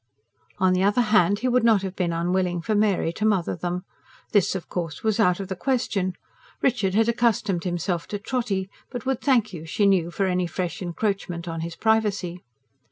On the other hand, he would not have been unwilling for Mary to mother them. This, of course, was out of the question: Richard had accustomed himself to Trotty, but would thank you, she knew, for any fresh encroachment on his privacy.